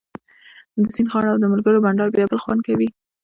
د سیند غاړه او د ملګرو بنډار بیا بل خوند کوي